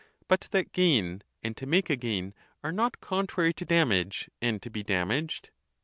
But that gain, and to make a gain, are not contrary to damage, and to be damaged